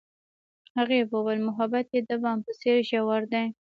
هغې وویل محبت یې د بام په څېر ژور دی.